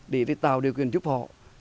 để tạo điều kiện giúp họ